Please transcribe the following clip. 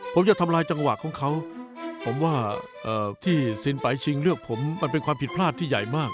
ผมจะทำลายจังหวะของเขาผมว่าที่สินไปชิงเลือกผมมันเป็นความผิดพลาดที่ใหญ่มาก